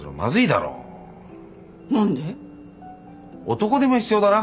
男手も必要だな。